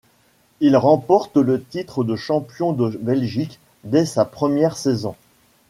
Il remporte le titre de champion de Belgique dès sa première saison.